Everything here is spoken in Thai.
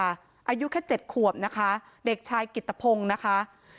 อายุแค่๗ขวบนะคะเด็กชายกิตภงนะคะ